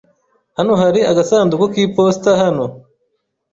Hano hari agasanduku k'iposita hano?